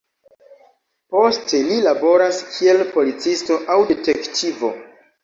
Poste li laboras kiel policisto aŭ detektivo.